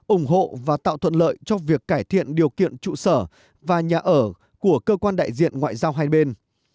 ủng hộ và tạo thuận lợi cho việc cải thiện điều kiện trụ sở và nhà ở của cơ quan đại diện ngoại giao hai bên